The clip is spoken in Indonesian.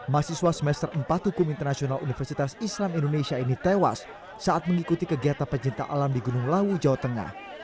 mahasiswa semester empat hukum internasional universitas islam indonesia ini tewas saat mengikuti kegiatan pecinta alam di gunung lawu jawa tengah